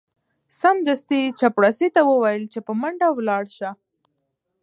سمدستي یې چپړاسي ته وویل چې په منډه ولاړ شه.